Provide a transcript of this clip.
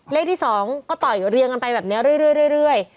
เลขที่๒ก็ต่อยเรียงกันไปแบบนี้เรื่อย